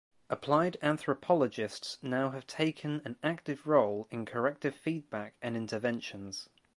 Applied anthropologists now have taken an active role in corrective feedback and interventions.